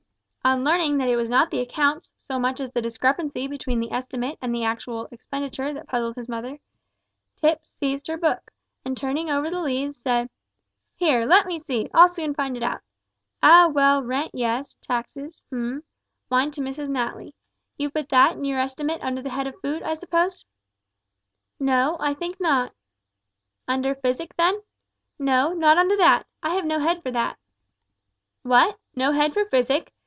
On learning that it was not the accounts so much as the discrepancy between the estimate and the actual expenditure that puzzled his mother, Tipps seized her book, and, turning over the leaves, said, "Here, let me see, I'll soon find it out ah, well, rent yes; taxes, h'm; wine to Mrs Natly, you put that, in your estimate, under the head of food, I suppose?" "N no, I think not." "Under physic, then?" "No, not under that. I have no head for that." "What! no head for physic?